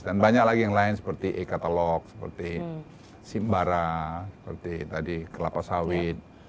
dan banyak lagi yang lain seperti e katalog seperti simbara seperti tadi kelapa sawit